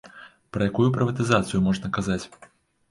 Пра якую прыватызацыю можна казаць?